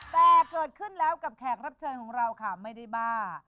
แต่เกิดขึ้นแล้วกับแขกรับเชิญของเราค่ะไม่ได้บ้า